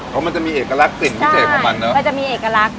เพราะมันจะมีเอกลักษณ์กลิ่นพิเศษของมันเนอะมันจะมีเอกลักษณ์